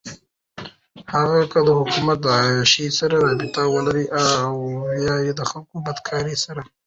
هغــه كه دحــكومت دعيــاشۍ سره رابطه ولري اويا دخلـــكو دبدكارۍ سره.